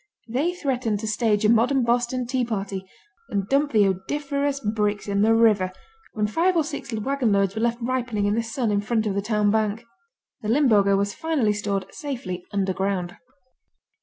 They threatened to stage a modern Boston Tea Party and dump the odoriferous bricks in the river, when five or six wagonloads were left ripening in the sun in front of the town bank. The Limburger was finally stored safely underground.